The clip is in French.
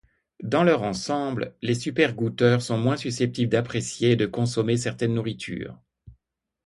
Dans leur ensemble, les super-goûteurs sont moins susceptibles d'apprécier et de consommer certaines nourritures.